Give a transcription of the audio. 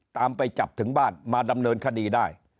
ไปจับถึงบ้านมาดำเนินคดีได้